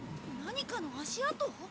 何かの足跡？